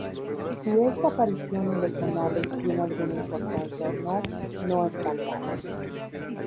Si esta aparición en los "Anales" tiene alguna importancia o no no está claro.